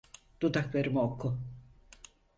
Dudaklarımı oku.